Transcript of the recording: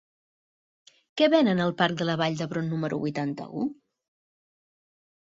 Què venen al parc de la Vall d'Hebron número vuitanta-u?